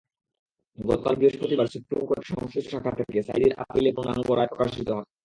গতকাল বৃহস্পতিবার সুপ্রিম কোর্টের সংশ্লিষ্ট শাখা থেকে সাঈদীর আপিলের পূর্ণাঙ্গ রায় প্রকাশিত হয়।